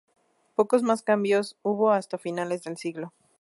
Pocos más cambios hubo hasta finales de siglo.